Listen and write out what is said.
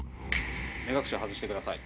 目隠しを外して下さい。